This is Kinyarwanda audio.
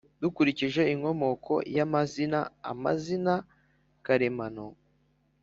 Dukurikije inkomoko y’amazina, amazina karemano